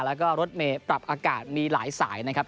แล้วก็รถเมย์ปรับอากาศมีหลายสายนะครับ